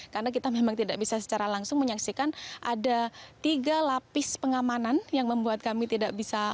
karena kita memang tidak bisa secara langsung menyaksikan ada tiga lapis pengamanan yang membuat kami tidak bisa